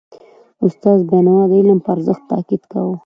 استاد بینوا د علم پر ارزښت تاکید کاوه.